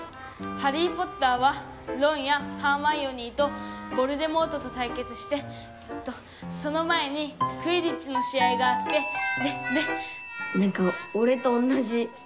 『ハリー・ポッター』はロンやハーマイオニーとヴォルデモートとたいけつしてえっとその前にクィディッチの試合があってでで」。